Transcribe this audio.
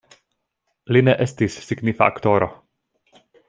Li ne estis signifa aktoro.